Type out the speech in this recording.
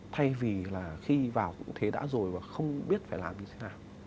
thay vì là khi vào cũng thế đã rồi và không biết phải làm gì